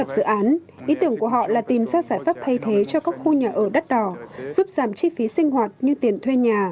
xin kính chào tạm biệt